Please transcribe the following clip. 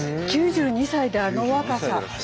９２歳であの若さ。